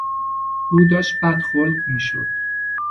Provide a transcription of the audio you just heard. او داشت بدخلق میشد.